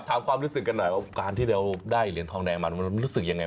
แต่ถามความรู้สึกกันหน่อยว่าพี่ขาได้เรียนทองแดงมันรู้สึกยังไง